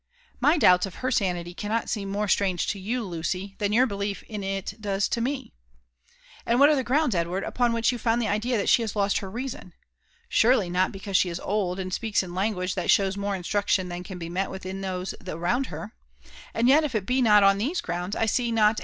'' My doubts of her sanity cannot seem more strange to you, Lucy, than your belief in it does to me." And what are the grounds, Edward, upon which you found the idea that she has lost her reason ? Surely, not because she is old, and speaks in language that shows more instruction than can be met with in those around her ?— ^And yet, if it be not on these grounds, I see not.